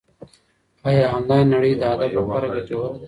ایا انلاین نړۍ د ادب لپاره ګټوره ده؟